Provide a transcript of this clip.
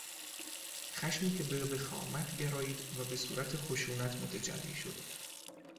خشمی که به وخامت گرایید و به صورت خشونت متجلی شد